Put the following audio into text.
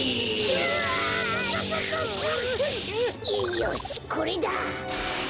よしこれだ！